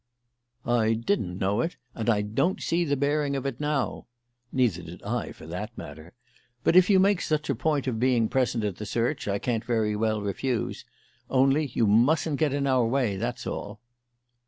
"I didn't know it, and I don't see the bearing of it now" (neither did I, for that matter); "but if you make such a point of being present at the search, I can't very well refuse. Only you mustn't get in our way, that's all."